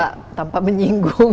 tapi tegas tanpa menyinggung